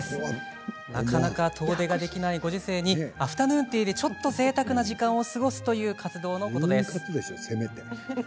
なかなか遠出ができないご時世にアフタヌーンティーで、ちょっとぜいたくな時間を過ごすという活動のことです。